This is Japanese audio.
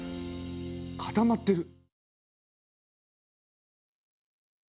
固まってる。